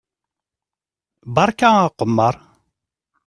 Berka aqemmeṛ!